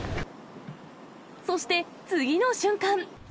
そして、次の瞬間。